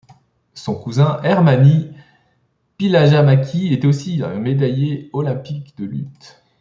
Son cousin Hermanni Pihlajamäki est aussi un médaillé olympique de lutte.